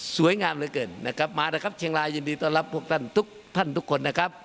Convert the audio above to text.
สวยงามเหลือเกินนะครับมานะครับเชียงรายยินดีต้อนรับพวกท่านทุกท่านทุกคนนะครับ